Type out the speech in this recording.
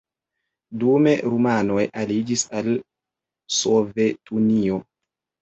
Dume rumanoj aliĝis al Sovetunio.